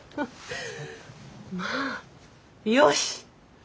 まあよし！